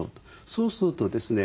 そうするとですね